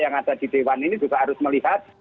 yang ada di dewan ini juga harus melihat